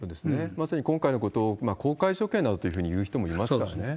まさに今回のこと、公開処刑などというふうに言う人もいますからね。